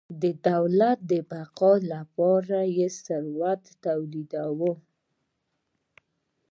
د دولت د بقا لپاره یې ثروت تولیداوه.